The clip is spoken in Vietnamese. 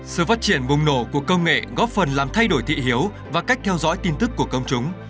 sự phát triển bùng nổ của công nghệ góp phần làm thay đổi thị hiếu và cách theo dõi tin tức của công chúng